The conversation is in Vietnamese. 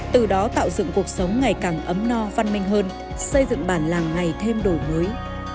từ đó tạo dựng cuộc sống ngày càng ấm no văn minh hơn xây dựng bản làng ngày thêm đổ mới